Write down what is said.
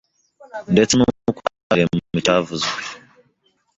ndetse n’uko mwaganiriye mu kiciro cyavuzwe